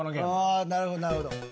ああなるほどなるほど。